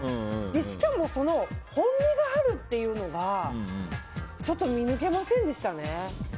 しかも、本音があるっていうのがちょっと見抜けませんでしたね。